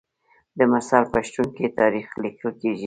د مرسل په شتون کې تاریخ لیکل کیږي.